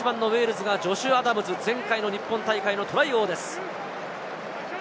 ウェールズがジョシュ・アダムス、前回の日本大会のトライ王です。